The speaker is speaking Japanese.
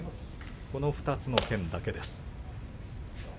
この２つの県だけです。